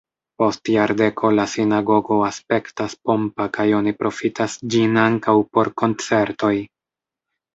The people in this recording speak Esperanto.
Post jardeko la sinagogo aspektas pompa kaj oni profitas ĝin ankaŭ por koncertoj.